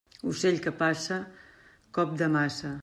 Ocell que passa, cop de maça.